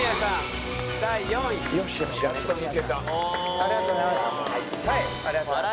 ありがとうございます。